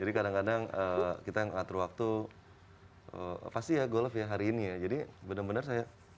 jadi kadang kadang kita yang atur waktu pasti ya golep ya hari ini ya jadi benar benar saya